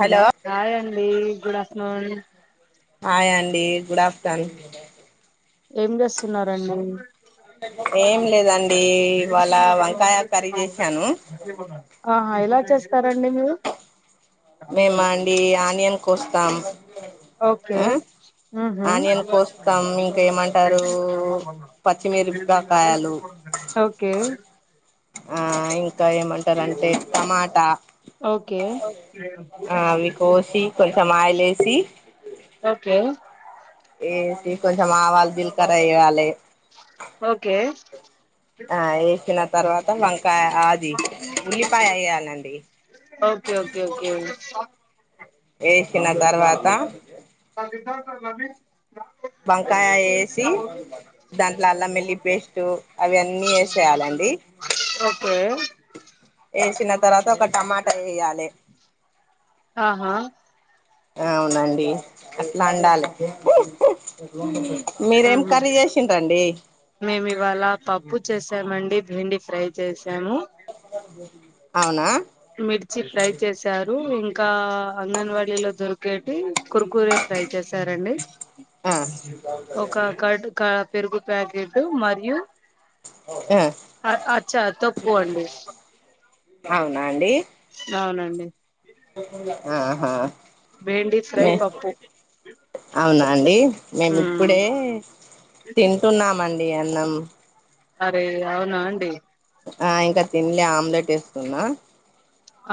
hello hi అండి good afternoon hi అండి good afternoon ఏం జేస్తున్నారండి ఏం లేదండి ఇవాళ వంకాయ కర్రీ చేసాను ఆ ఎలా చేస్తారండి మీరు మేమ అండి ఆనియన్ కోస్తాం ఓకే ఆ ఉమ్ ఆనియన్ కోస్తాం ఇంకా ఏమంటారు హు పచ్చిమిరపకాయలు ఓకే ఆ ఇంకా ఏమంటారంటే టమాటా ఓకే ఆ అవి కోసి కొంచెం ఆయల్‌ ఏసి ఓకే ఏసి కొంచెం ఆవాల్‌ జీలకర్ర ఎయ్యాలే ఓకే ఆ యేసిన తర్వాత వంకాయ ఆది ఉల్లిపాయ యేయాలండి ఓకే ఓకే ఓకే ఓకే ఏసిన తర్వాత ప్రతి సంవత్సరమా అండి వంకాయ ఏసి దాంట్ల అల్లం వెళ్లి పేస్ట్ అవి అన్నీ యేసేయాలండి ఓకే ఏసిన తర్వాత ఒక టమాటా ఎయ్యాలే ఆహా అవునండి అట్ల అండాలి మీరేమ్ ఊహు కర్రీ చేసిన్రండి మేము ఇవాళ పప్పు చేసానండి బెండి ఫ్రై చేసాము అవ్నా మిర్చి ప్రై చేశారు ఇంకా అంగన్వాడీలో దొరికేటి కురుకురే ఫ్రై చేశారా అండి ఆ ఒక కర్డ్ క పెరుగు ప్యాకెట్ మరియు ఆ అ అచ్చ తొక్కు అండి అవునా అండి అవునండి ఆహా భేండి ఫ్రై పప్పు అవునాండి మేము ఉమ్ ఇప్పుడే తింటున్నామండి అన్నం అరే అవున అండి ఆ ఇంక తిన్లే ఆమ్లెట్ ఎస్తున్నా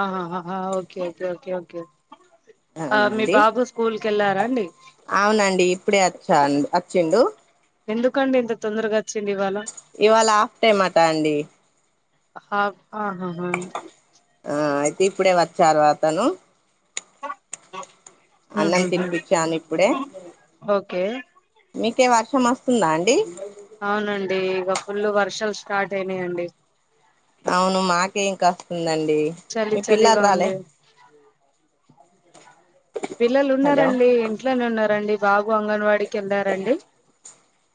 ఆహా ఆ ఓకే ఓకే ఓకే ఓకే ఆ మీ అవునండి బాబు స్ స్కూల్కి వెళ్లారా అండి అవునండి ఇప్పుడే వచ్చా అచ్చిండు ఎందుకండి ఇంత తొందరగా అ చ్చిండు ఇవాళ ఇవాళ హాఫ్ టైమ్ అట అండి హాఫ్ ఆహహ ఆ అయితే ఇప్పుడే వచ్చారు అతను అన్నం ఉహుహు తినిపిచ్చాను ఇప్పుడే ఓకే మీకే వర్షం వస్తుందా అండి అవునండి ఇగ ఫుల్ వర్షాలు స్టార్ట్ అయినాయండి అవును మాకేం కాస్తుందండి చలి మీ పిల్లలు చలిగా రాలే ఉంది పిల్లలు హలో ఉన్నారండి ఇంట్లోనే ఉన్నారండి బాబు అంగన్వాడికి వెళ్ళారాండి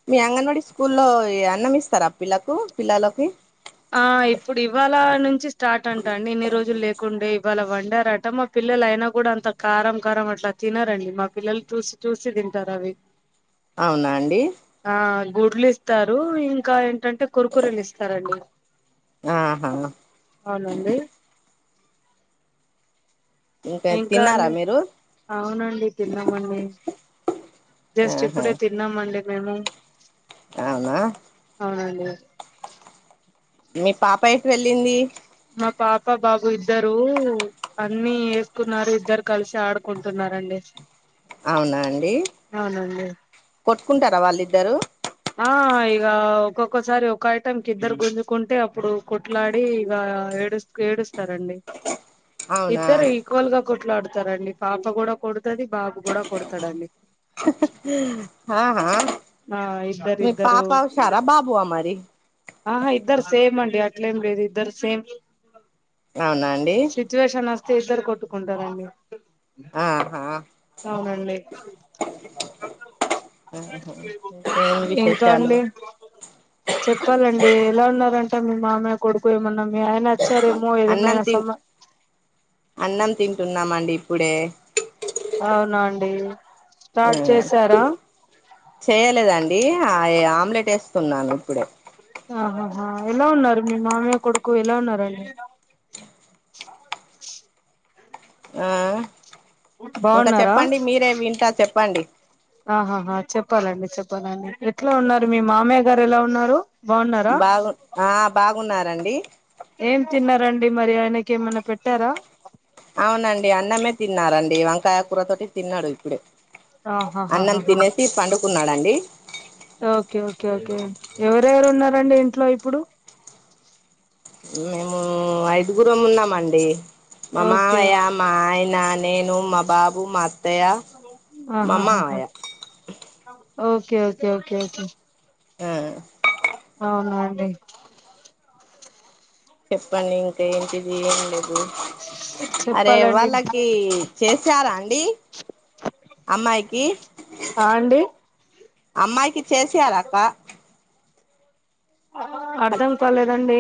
మీ అంగన్ వాడి స్కూల్లో అన్నం ఇస్తారా పిల్లకు పిల్లలకు ఆ ఇప్పుడు ఇవాళ నుంచి స్టార్ట్ అంటా అండి ఇన్ని రోజులు లేకుండే ఇవాళ వండారట మా పిల్లలు అయినా కూడా అంత కారం కారం అట్లా తినరండి మా పిల్లలు చూస్ చూసి తింటారు అవి అవునా అండి ఆ గుడ్లు ఇస్తారు ఇంకా ఏంటంటే కురుకురేలు ఇస్తారండి ఆహా అవునండి ఇంకా తిన్నారా అండి మీరు అవునండి తిన్నామండి జస్ట్ ఆహా ఇప్పుడే తి న్నామండి మేము అవునా అవునండి మీ పాప ఎటువెళ్ళింది మా పాప బాబు ఇద్దరు అన్నీ ఏసుకున్నారు ఇద్దరు కలిసి ఆడుకుంటున్నారండి అవునా అండి అవునండి కొట్టుకుంటరా వాళ్ళిద్దరు ఆ ఇగ ఒక్కొక్కసారి ఒక ఐటెంకి ఇద్దరు గుంజుకుంటే అప్పుడు కొట్లాడి ఇగ ఏడుస్ ఏడుస్తారండి అవునా ఇద్దరు ఈక్వల్ గా కొట్లాడుతారండి పాప కూడా కొడుతది బాబు కూడా కొడతాడండి హా హా ఆ ఇద్దరు మీ ఇద్దరు పాపా ఉషారా బాబు ఆ మరి ఆహా ఇద్దరు సేమ్ అండి అట్లేం లేదు ఇద్దరు సేమ్ అవునా అండి సిచువేషన్ వస్తే ఇద్దరు కొట్టుకుంటారండి ఆహా అవునండి ఇంకేం ఇంకా విశేషాలు అండి చెప్పాలండి ఎలా ఉన్నారంటే మీ మామయ్య కొడుకు ఏమన్నా మీ ఆయన వచ్చారేమో అన్నం ఏమైనా తిన్ సమా అన్నం తింటున్నామండి ఇప్పుడే అవునాండి స్టార్ట్ చేశారా చేయలేదాండి ఆమ్లెట్ వేస్తున్నాను ఇప్పుడే ఆహాహా ఎలా ఉన్నారు మీ మామయ్య కొడుకు ఎలా ఉన్నారండి ఆ ఇంకా బాగున్నారా చెప్పండి మీరే వింటా చెప్పండి ఆహాహా చెప్పాలండి చెప్పాలండి ఎట్లా ఉన్నారు మీ మామయ్య గారు ఎలా ఉన్నారు బాగున్నారా బాగు ఆ బాగున్నారండి ఏం తిన్నారండి మరి ఆయనకి ఏమన్నా పెట్టారా అవునండి అన్నమే తిన్నారండి వంకాయ కూర తోటి తిన్నాడు ఇప్పుడే అన్నం ఆహాహాహాహా తినేసి పండుకున్నాడండి ఓకే ఓకే ఓకే ఎవరెవరు ఉన్నారండి ఇంట్లో ఇప్పుడు మేము ఐదుగురం ఉన్నామండి మా ఓకే మావయ్య ఓకే మాయనా నేేను మా బాబు మా అత్తయ్య మా ఆహా మామయ్య ఓకే ఓకే ఓకే ఓకే ఉమ్ అవునాండి చెప్పండి ఇంకా ఏంటిది ఏం లేదు అరే చెప్పాలండి వాళ్ళకి చేసారాండి అమ్మాయికి ఆ అండి అమ్మాయికి చేసార అక్క అర్ధం కాలేదండి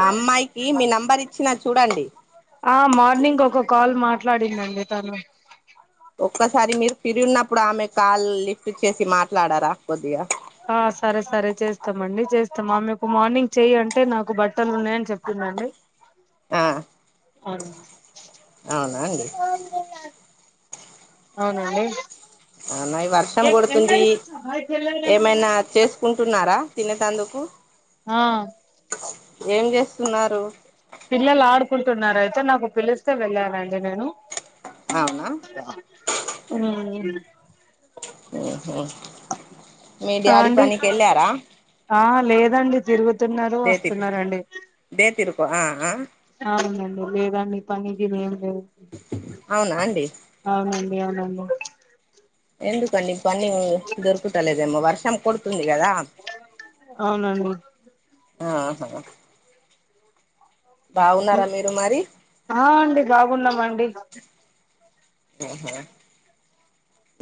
ఆ అమ్మాయికి మీ నెంబర్ ఇచ్చినా చూడండి ఆ మార్నింగ్ ఒక కాల్ మాట్లాడిందండి తను ఒక్కసారి మీరు ఫిరి ఉన్నప్పుడు ఆమె కాల్ లిఫ్ట్ చేసి మాట్లాడరా కోద్దిగా ఆ సరే సరే చేస్తామండి చేస్తాం ఆమెకు మార్నింగ్ చెయ్యు అంటే నాకు బట్టలు ఉన్నాయని చెపీదండి ఆ అవును అవునా అండి అవునాండి ఆ నైవన్ వర్షం కొడుతుంది ఏమైనా చేసుకుంటున్నారా తినేటందుకు ఆ ఏం చేస్తున్నారు పిల్లలు ఆడుకుంటున్నారు అయితే నాకు పిలిస్తే వెళ్ళానుండి నేను అవునా ఉ మీ ఆ డ్యాడి అండి పనికి వెళ్ళారా ఆ లేదండి తిరుగుతున్నారు దేతి వస్తున్నరండి ఆ ఆ అవునండి లేదండి పని గీని ఏం లేదు అవునాండి అవునండి అవునండి ఎందుకండి పని దొరుకుతలేదేమో వర్షం కోడుతుంది గదా అవునండి ఆ ఆహ హ బావున్నారా మీరు మరి ఆ అండి బాగున్నామండి ఆహా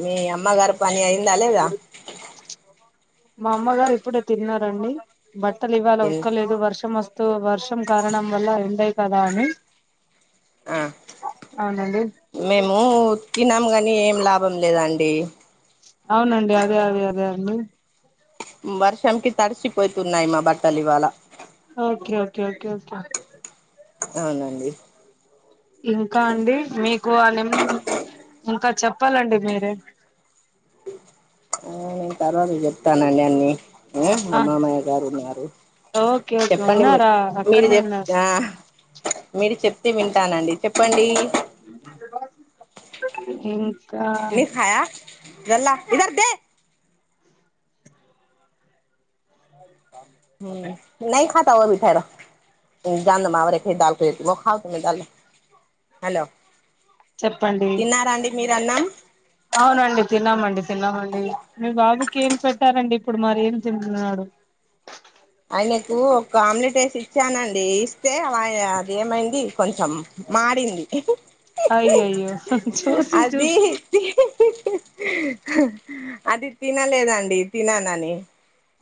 మీ అమ్మగారు పని అయిందా లేేద మా అమ్మగారు ఇప్పుడే తిన్నారండి బట్టలు ఇవ్వాల ఉతకలేదు వర్షం వస్ తో వర్షం కారణంవల్ల ఎండేయి కదా అని ఆ అవునండి మేము ఉతికినం కానీ ఏం లాభం లేదండి అవునండి అదే అదే అదే అండి వర్షం కి తడిసిపోతున్నాయి మా బట్టలు ఇవాళ ఓకే ఓకే ఓకే ఓకే అవునండి ఇంకా అండి మీకు ఆ నేమ్ ఇంకా చెప్పాలండి మీరే ఉ నేను తర్వాతకీ చెప్తానండి అన్ని మా ఆ మామయ్య గారున్నారు ఓకే ఓకే చెప్పండి మీర్ ఉన్నారా మీరు అక్కడనే చెప్ ఉన్నారు ఆ మీరు చెప్తే వింటానండి చెప్పండి ఉమ్ ఇడ్లీ ఖాయ గల్ల ఈధర్దే నాయిఖాతా ఓ బీ టైరో [unintelligible] హలో చెప్పండి తిన్నారాండి మీరు అన్నం అవునండి తిన్నామండి తిన్నామండి మీ బాబుకి ఏం పెట్టారండి ఇప్పుడు మరి ఏం తింటున్నాడు ఆయనకు ఒక ఆమ్లెట్ వేసి ఇచ్చానండి ఇస్తే అది ఏమైంది కొంచెం మాడింది ఇహ్ అయ్యో అయ్యో చూసి చూ అది తినలేదండి తిననని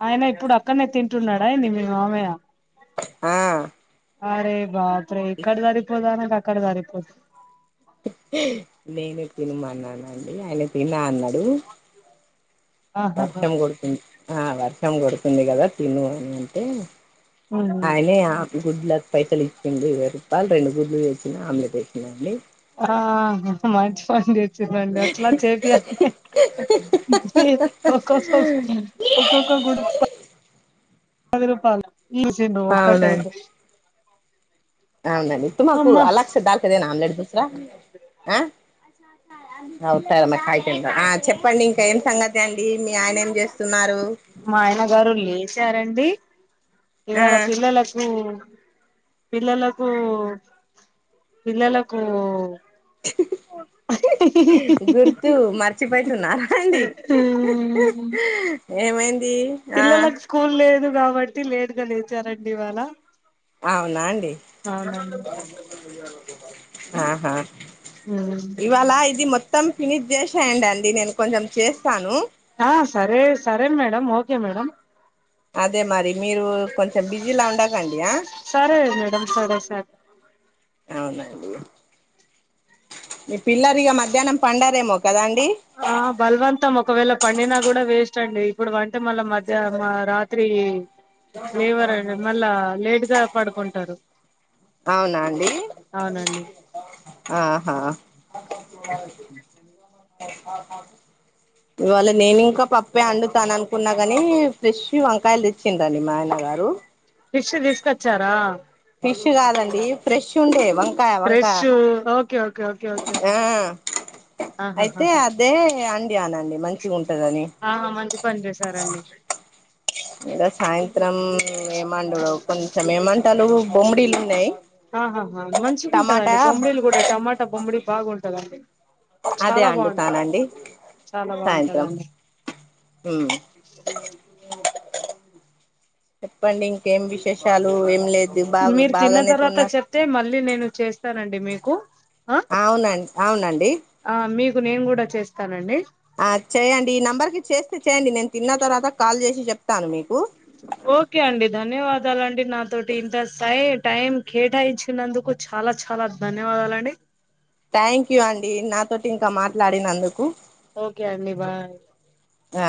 ఆయన ఇప్పుడు అక్కడనే తింటున్నాడా ఏంది మీ మామయ్య ఆ అ రే బాప్రే ఇక్కడ దరిపోదా అనక అక్కడ దరిపోదు నేనే తినుమన్నానండి ఆయన తినా అన్నాడు ఆహాహా వర్షం కొడుతుంది ఆ వర్షం కొడుతుంది కదా తిను అని అంటే ఉమ్ ఆయనే ఆ గుడ్లకు పైసలు ఇచ్చిండు ఇరవయ్ రూపాల్ రెండు గుడ్లు తెచ్చినా ఆమ్లెట్ వేసినాండి ఆ మంచి పని జే సిన్రండి అట్లా చేపియాలి ఒక్కక్క ఒక్కొక్క గూడు పది రూపాల్ ఈ అవునండి ఒక్కటైతే అవునండి తుమకు అమ్మా అలాగ్ సే దాల్కదేనా ఆమ్లేడ్ దుసరా ఆ చెప్పండి ఇంక ఏం సంగతి అండి మీ ఆయన ఏం చేస్ స్తున్నారు మా ఆయన గారు లేచారండి ఆ ఇవాళ పిల్లలకు పిల్లలకూ పిల్లలకూ గుర్తు మర్చిపోయితున్నారా అండి ఉహు ఏమైంది ఆ పిల్లలకు స్కూల్ లేదు కాబట్టి లేట్గా లేచారండి ఇవాళ ఆవునాండి ఆహా ఉమ్ ఇవాళ ఇది మొత్తం ఫినిష్ చేసేయండి అంది నేను కొంచెం చేస్తాను ఆ సరే సరే మేడమ్ ఓకే మేడమ్ అదే మరి మీరు కొంచెం బిజీలా ఉండకండి ఆ సరే మేడం సరే సరే అవునండి మీ పిల్లరిగ మధ్యానం పండరేమో కదండి ఆ బలవంతం ఒకవేళ పండినా కూడా వేస్ట్ అండి ఇప్పుడు పంటే మళ్ళ మజ్జ మా రా త్రి లేవరండి మళ్ళా లేట్ గా పడుకుంటారు అవునా అండి అవునండి ఆహా [inaudible] ఉ ఇవాళ నేను ఇంకా పప్పే అండుతాను అనుకున్నా గానీ ఫిష్ వంకాయలు తెచ్చిండండి మా ఆయన గారు ఫిష్ తీసుకొచ్చారా ఫిష్ కాదండి ఫ్రెష్ ఉండే వం కాయ ఫ్రెష్ వంకాయ ఓకే ఓకే ఓకే ఓకే ఆ ఆహాహా అయితే అ దే అండియానండి మంచిగుంటదని ఆహా మంచి పని చేసారండి ఇంకా సాయంత్రం ఏమండు కొంచెం ఏమంటాలు బొమ్మడీలు ఉన్నాయి ఆహాహా టమాటా మంచిగుంటదండి బొమ్డీలు కూడా టమాటా బొమ్మిడి బాగుంటదండి అదే చాలా బాగుంటది అండుతానండి చాలా సాయంత్రం బాగుంటదండి ఉమ్ చెప్పండి ఇంకేం విశేషాలు ఏం లేదు బాగు బాగానేతున్నా తే మళ్ళీ నేను చేస్తానండి మీకు ఆ ఆవునం అవునండి ఆ మీకు నేను కూడా చేస్తానండి ఆ చేయండి ఈ నెంబర్ కి చేస్తే చేయండి నేను తిన్న తరువాత కాల్ చేసి చెప్తాను మీకు ఓకే అండి ధన్యవాదాలండి నాతోటి ఇంత సై టైం కేటాయించినందుకు చాలా చాలా ధన్యవాదాలండి ట్యాంక్యూ అండి నాతోటి ఇంకా మాట్లాడినందుకు ఓకే అండి బాయ్ ఆ